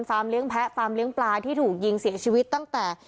เลี้ยแพ้ฟาร์มเลี้ยงปลาที่ถูกยิงเสียชีวิตตั้งแต่